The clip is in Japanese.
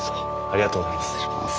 ありがとうございます。